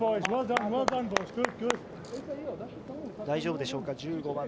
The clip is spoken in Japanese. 大丈夫でしょうか。